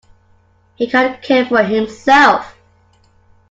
He can care for himself.